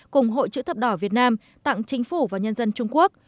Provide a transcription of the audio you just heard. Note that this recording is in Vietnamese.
cùng hội chữ thập đỏ việt nam tặng chính phủ và nhân dân trung quốc